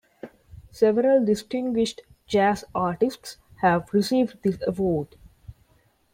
Several distinguished jazz artists have received this award.